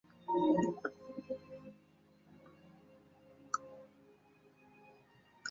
因为阴茎射精前流出的液体就足以造成性病传染或怀孕。